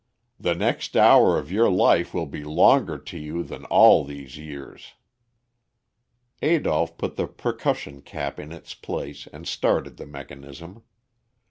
The next hour of your life will be longer to you than all these years." Adolph put the percussion cap in its place and started the mechanism.